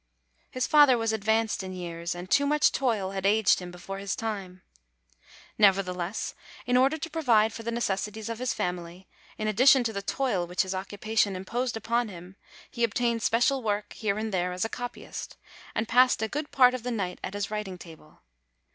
His father was advanced in years, and too much toil had aged him before his time. Nevertheless, in order to provide for the necessities of his family, in addition to the toil which his occupation imposed upon him, he obtained special work here and there as a copyist, and passed a good part of the night at his writing table.